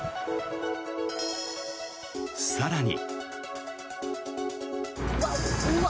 更に。